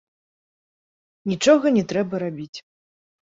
Нічога не трэба рабіць.